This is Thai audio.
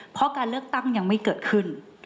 เพราะการเลือกตั้งยังไม่เกิดขึ้น